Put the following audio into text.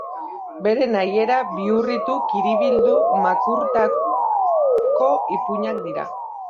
Bere nahierara bihurritu, kiribildu, makurtutako ipuinak dira.